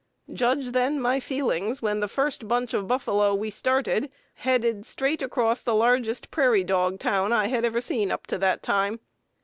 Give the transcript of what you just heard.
Judge, then, my feelings when the first bunch of buffalo we started headed straight across the largest prairie dog town I had ever seen up to that time.